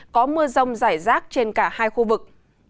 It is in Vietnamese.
có mưa rông rải rác trên cả hai khu vực